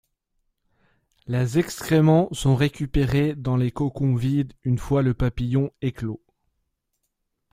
Les excréments sont récupérés dans les cocons vides une fois le papillon éclos.